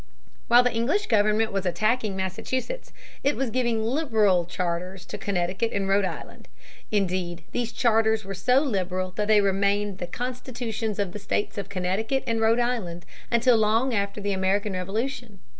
While the English government was attacking Massachusetts it was giving most liberal charters to Connecticut and to Rhode Island. Indeed, these charters were so liberal that they remained the constitutions of the states of Connecticut and Rhode Island until long after the American Revolution.